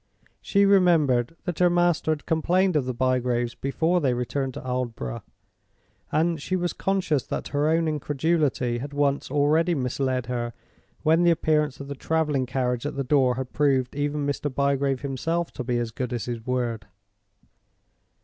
She remembered that her master had complained of the Bygraves before they returned to Aldborough; and she was conscious that her own incredulity had once already misled her when the appearance of the traveling carriage at the door had proved even Mr. Bygrave himself to be as good as his word.